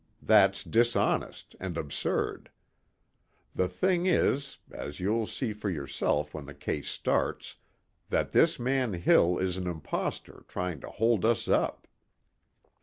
That's dishonest and absurd. The thing is, as you'll see for yourself when the case starts, that this man Hill is an impostor trying to hold us up.